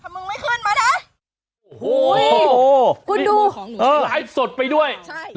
มึงไม่ขึ้นมานะฮูยหลายสดไปด้วยใช่